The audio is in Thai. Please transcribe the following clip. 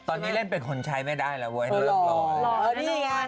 ตอนนี้เล่นเป็นคนใช้ไม่ได้ละว่ะรอ